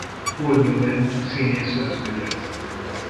Paul Newman színész özvegye.